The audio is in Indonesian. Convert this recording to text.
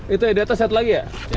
itu eh di atas satu lagi ya